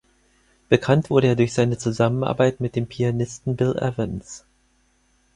Bekannt wurde er durch seine Zusammenarbeit mit dem Pianisten Bill Evans.